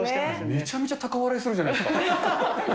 めちゃめちゃ高笑いするじゃないですか。